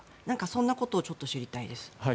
そんなことをちょっと知りたいです。